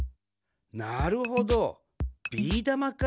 なるほどビーだまかあ。